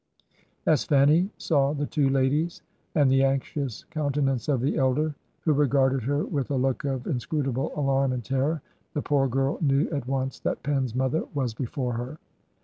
"As Fanny saw the two ladies and the anxious coun tenance of the elder, who regarded her with a look of inscrutable alarm and terror, the poor girl knew at once that Pen's mother was before her.